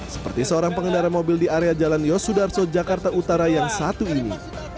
seperti seorang pengendara mobil di area jalan yosudarso jakarta utara yang satu ini